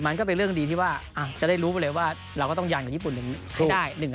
มันก็เป็นเรื่องดีที่ว่าจะได้รู้ไปเลยว่าเราก็ต้องยันกับญี่ปุ่นให้ได้